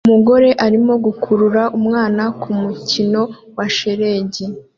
Umugore arimo gukurura umwana kumukino wa shelegi